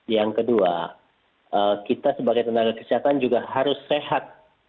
yang kedua kita sebagai tenaga kesehatan juga harus sehat